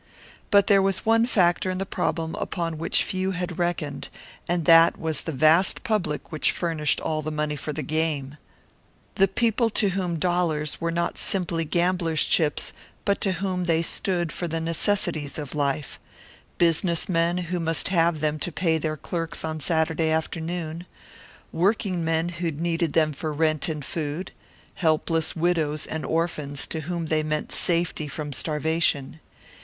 But there was one factor in the problem upon which few had reckoned, and that was the vast public which furnished all the money for the game the people to whom dollars were not simply gamblers' chips, but to whom they stood for the necessities of life; business men who must have them to pay their clerks on Saturday afternoon; working men who needed them for rent and food; helpless widows and orphans to whom they meant safety from starvation.